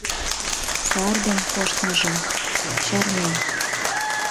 Сар ден коштмыжым чарнен